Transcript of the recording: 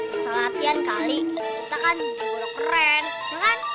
masa latihan kali kita kan bola keren ya kan